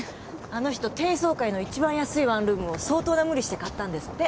あの人低層階の一番安いワンルームを相当な無理して買ったんですって。